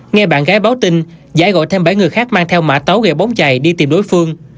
nghe bạn gái báo tin giải gọi thêm bảy người khác mang theo mã tấu ghé bóng chày đi tìm đối phương